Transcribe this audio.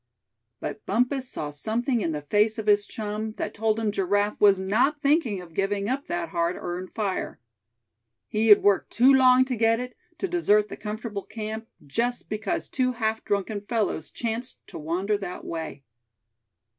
But Bumpus saw something in the face of his chum that told him Giraffe was not thinking of giving up that hard earned fire. He had worked too long to get it, to desert the comfortable camp, just because two half drunken fellows chanced to wander that way.